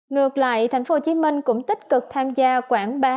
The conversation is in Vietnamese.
ngược lại tp hcm cũng tích cực tham gia quảng bá